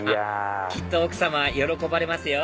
きっと奥様喜ばれますよ